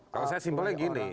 kalau saya simpelnya gini